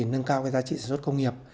nâng cao giá trị sản xuất công nghiệp